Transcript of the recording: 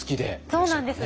そうなんです